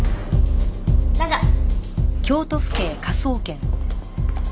ラジャー。